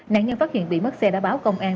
nạn nhân phát hiện bị mất xe đã báo công an